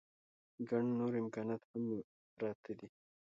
ګڼ نور امکانات هم پراته دي.